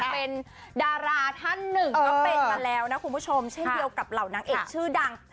เป็นดาราท่านหนึ่งก็เป็นมาแล้วนะคุณผู้ชมเช่นเดียวกับเหล่านางเอกชื่อดัง